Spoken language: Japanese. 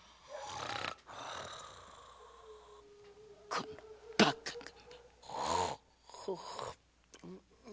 このバカが。